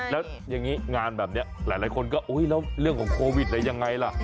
แล้วอย่างนี้งานแบบนี้หลายคนก็แล้วเรื่องของโควิดอะไรยังไงล่ะ